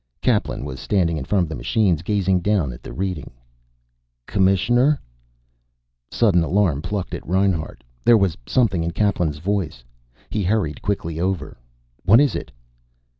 Kaplan was standing in front of the machines, gazing down at the reading. "Commissioner " Sudden alarm plucked at Reinhart. There was something in Kaplan's voice. He hurried quickly over. "What is it?"